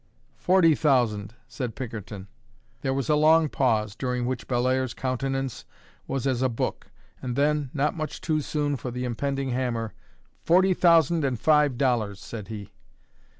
"Forty thousand," said Pinkerton. There was a long pause, during which Bellairs's countenance was as a book; and then, not much too soon for the impending hammer, "Forty thousand and five dollars," said he.